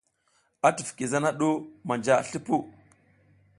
I tifiki zana ɗu manja slipuw.